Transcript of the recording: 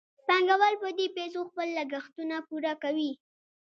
پانګوال په دې پیسو خپل لګښتونه پوره کوي